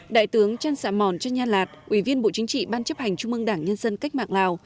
đại tướng trân sạ mòn trân nhan lạt ủy viên bộ chính trị ban chấp hành trung mương đảng nhân dân cách mạng lào